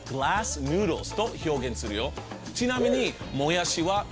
ちなみに。